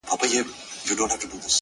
وموږ تې سپكاوى كاوه زموږ عزت يې اخيست.